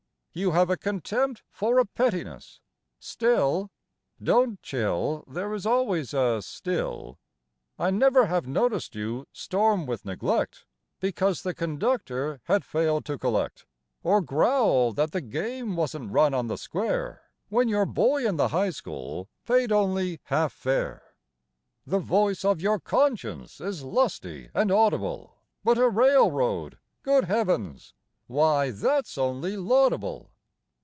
You have a contempt for a pettiness, still (Don't chill! There is always a "still,") I never have noticed you storm with neglect Because the conductor had failed to collect, Or growl that the game wasn't run on the square When your boy in the high school paid only half fare. The voice of your conscience is lusty and audible, But a railroad good heavens! why, that's only laudable.